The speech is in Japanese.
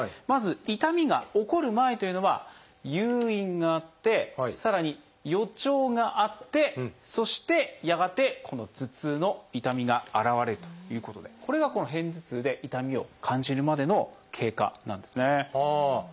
まず痛みが起こる前というのは誘因があってさらに予兆があってそしてやがてこの頭痛の痛みが現れるということでこれが片頭痛で痛みを感じるまでの経過なんですね。